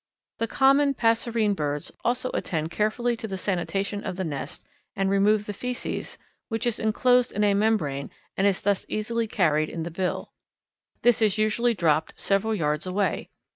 The common passerine birds also attend carefully to the sanitation of the nest and remove the feces, which is inclosed in a membrane and is thus easily carried in the bill. This is usually dropped several yards away.